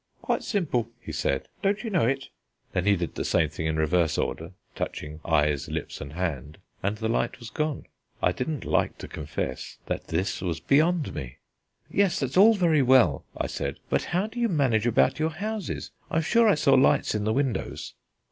"Quite simple," he said; "don't you know it?" Then he did the same thing in reverse order, touching eyes, lips and hand, and the light was gone. I didn't like to confess that this was beyond me. "Yes, that's all very well," I said, "but how do you manage about your houses? I am sure I saw lights in the windows."